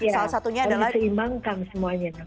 ya harus diimbangkan semuanya